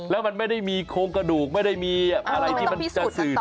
แล้วมันไม่ได้มีโครงกระดูกไม่ได้มีอะไรที่มันจะสื่อ